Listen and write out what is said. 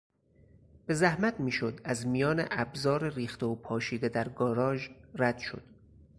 به زحمت میشد از میان ابزار ریخته و پاشیده در گاراژ رد شد.